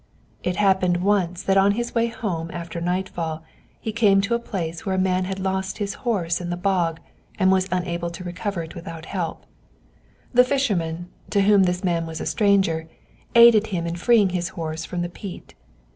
It happened once that on his way home after nightfall, he came to a place where a man had lost his horse in the bog, and was unable to recover it without help. The fisherman, to whom this man was a stranger, aided him in freeing his horse from the peat.